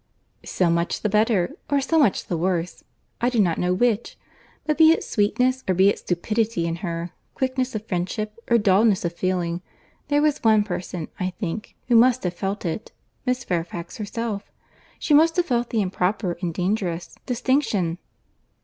"So much the better—or so much the worse:—I do not know which. But be it sweetness or be it stupidity in her—quickness of friendship, or dulness of feeling—there was one person, I think, who must have felt it: Miss Fairfax herself. She must have felt the improper and dangerous distinction."